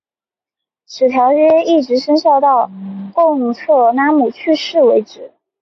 此条约一直生效直到贡特拉姆去世为止。